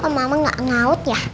kenapa mama gak nyaut ya